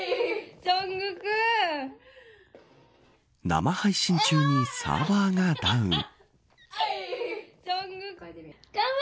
生配信中にサーバーがダウン。